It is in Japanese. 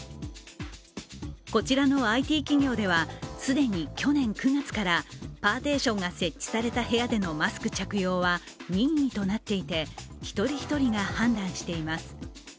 こちらのＩＴ企業では既に去年９月からパーテーションが設置された部屋でのマスク着用は任意となっていて一人一人が判断しています。